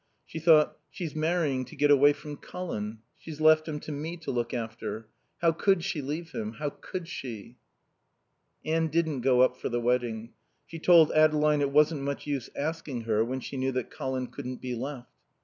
She thought: "She's marrying to get away from Colin. She's left him to me to look after. How could she leave him? How could she?" Anne didn't go up for the wedding. She told Adeline it wasn't much use asking her when she knew that Colin couldn't be left.